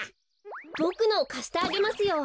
ボクのをかしてあげますよ。